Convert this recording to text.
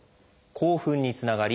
興奮につながり